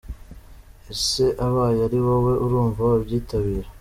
Ese abaye ari wowe urumva wabyitabira?.